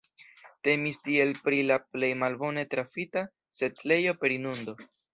Temis tiel pri la plej malbone trafita setlejo per inundo.